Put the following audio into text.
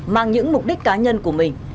mang những mục đích cá nhân của mình